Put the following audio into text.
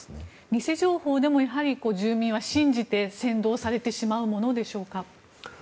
偽情報でもやはり住民は信じて扇動されてしまうものでしょうか？